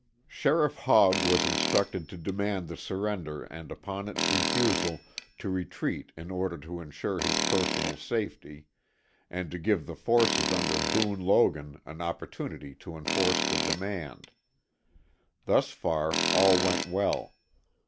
Sheriff Hogg was instructed to demand the surrender and upon its refusal to retreat in order to insure his personal safety, and to give the forces under Boone Logan an opportunity to enforce the demand. Thus far all went well.